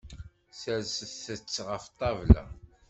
Serset-tt ɣef ṭṭabla.